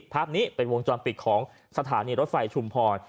ภาพนี้เป็นวงจรปิดของสถานีรถไฟชุมพร